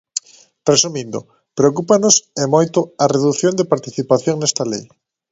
Resumindo, preocúpanos, e moito, a redución de participación nesta lei.